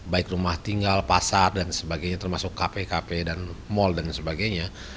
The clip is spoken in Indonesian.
baik rumah tinggal pasar dan sebagainya termasuk kape kape dan mall dan sebagainya